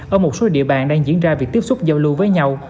ở một số địa bàn đang diễn ra việc tiếp xúc giao lưu với nhau